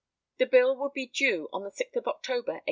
This bill would be due on the 6th of October, 1854.